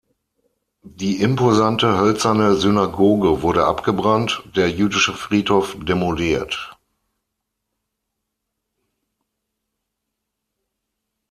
Die imposante hölzerne Synagoge wurde abgebrannt, der jüdische Friedhof demoliert.